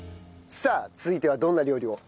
さあ続いてはどんな料理を？